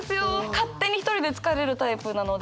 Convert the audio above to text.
勝手に一人で疲れるタイプなので。